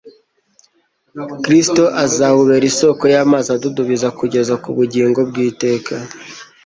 Kristo azawubera isoko y'amazi adudubiza kugeza ku bugingo bw'iteka.